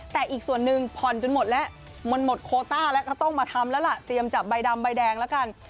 แต่อีกส่วนหนึ่งผ่อนจนหมดแล้วมันหมดโคต้าแล้วก็ต้องมาทำแล้วล่ะเตรียมจับใบดำใบแดงแล้วกัน